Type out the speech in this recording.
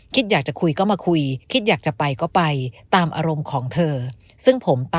คิดอยากจะคุยก็มาคุยคิดอยากจะไปก็ไปตามอารมณ์ของเธอซึ่งผม